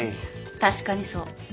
確かにそう。